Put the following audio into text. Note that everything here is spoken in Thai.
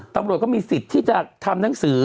ตำรวจก็มีสิทธิ์ที่จะทำหนังสือ